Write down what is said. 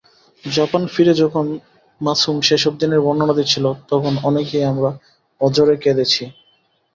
Japan ফিরে যখন মাসুম সেসব দিনের বর্ণনা দিচ্ছিল, তখন অনেকেই আমরা অঝরে কেঁদেছি।